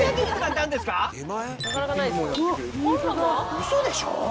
ウソでしょ